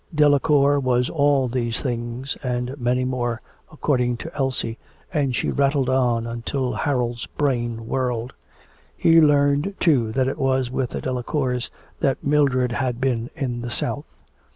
Delacour was all these things and many more, according to Elsie, and she rattled on until Harold's brain whirled. He learnt, too, that it was with the Delacours that Mildred had been in the South.